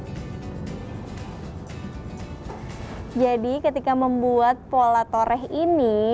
jadi ketika membuat pola toreh ini jadi ketika membuat pola toreh ini